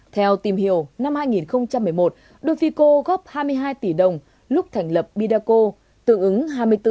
theo tìm hiểu năm hai nghìn một mươi một dofico góp hai mươi hai tỷ đồng lúc thành lập bidaco tương ứng hai mươi bốn bốn vốn điều lệ